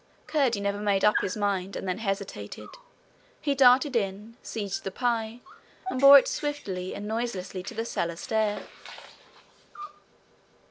Curdie never made up his mind and then hesitated. He darted in, seized the pie, and bore it swiftly and noiselessly to the cellar stair.